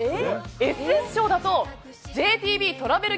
ＳＳ賞だとＪＴＢトラベル